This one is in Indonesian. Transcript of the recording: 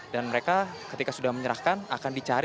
dan mereka ketika sudah menyerahkan akan dicari